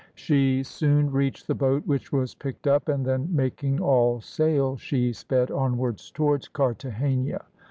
She soon reached the boat, which was picked up, and then, making all sail, she sped onwards towards Carthagena.